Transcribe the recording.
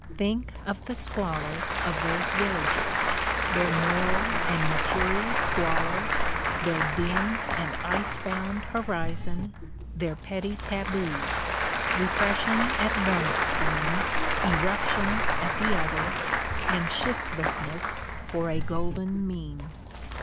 Think of the squalor of those villages, their moral and material squalor, their dim and ice bound horizon, their petty taboos : repression at one extreme, eruption at the other, and shiftlessness for a golden mean.